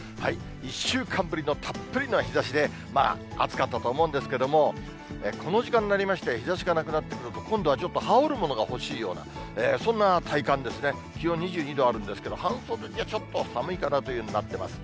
１週間ぶりのたっぷりの日ざしで、まあ暑かったと思うんですけども、この時間になりまして、日ざしがなくなってくると、今度はちょっと、羽織るものが欲しいような、そんな体感ですね、気温２２度あるんですが、半袖じゃちょっと寒いかなというふうになっています。